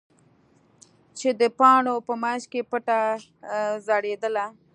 چې د پاڼو په منځ کې پټه ځړېدله.